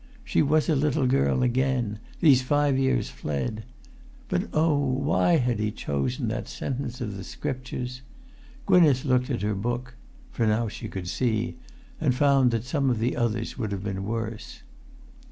She was a little girl again: these five years fled ... But oh,[Pg 318] why had he chosen that sentence of the scriptures? Gwynneth looked at her book (for now she could see) and found that some of the others would have been worse.